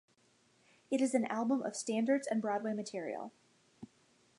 It is an album of standards and Broadway material.